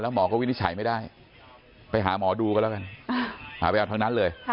หมอก็วินิจฉัยไม่ได้ไปหาหมอดูก็แล้วกันหายไปเอาทั้งนั้นเลย